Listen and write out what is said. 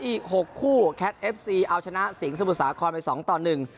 อีกหกคู่แคทเอฟซีเอาชนะสิงห์สมุทรสาครไปสองต่อหนึ่ง